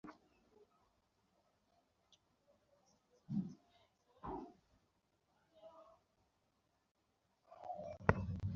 ওই তেল ফ্যালের ওকড়া তুমিই খাও!